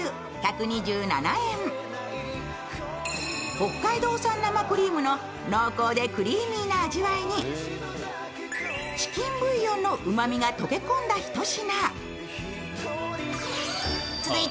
北海道産生クリームの濃厚でクリーミーな味わいにチキンブイヨンのうまみが溶け込んだ一品。